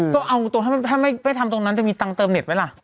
ก็เอาตรงถ้าไม่ทำตรงนั้นจะมีตังค์เติมเน็ตไหมล่ะ